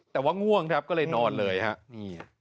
แต่ว่าง่วงครับก็เลยนอนเลยฮะนี่